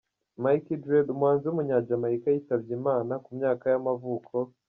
Mikey Dread, umuhanzi w’umunyajamayika yitabye Imana, ku myaka y’amavuko.